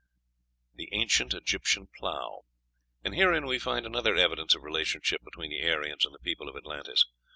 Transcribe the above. ANCIENT EGYPTIAN PLOUGH And herein we find another evidence of relationship between the Aryans and the people of Atlantis.